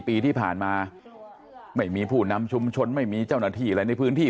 ปีที่ผ่านมาไม่มีผู้นำชุมชนไม่มีเจ้าหน้าที่อะไรในพื้นที่